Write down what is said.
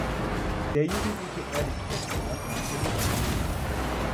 Der jugendliche Erich Kästner kam öfter zu Besuch.